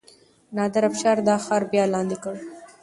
نادر افشار دا ښار بیا لاندې کړ.